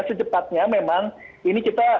secepatnya memang ini kita